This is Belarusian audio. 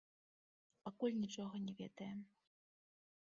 Пакуль нічога не ведаем.